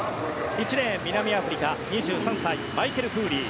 １レーン、南アフリカの２３歳マイケル・フーリー。